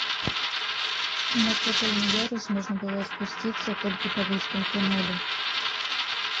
На цокальны ярус можна было спусціцца толькі па вузкім тунэлі.